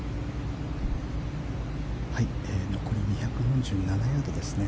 残り２４７ヤードですね。